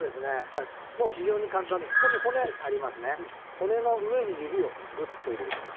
骨の上に指をグッと入れていきます。